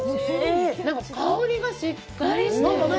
なんか、香りがしっとりしてる。